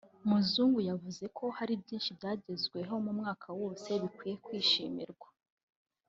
Muzungu yavuze ko hari byinshi byagezweho mu mwaka wose bikwiye kwishimirwa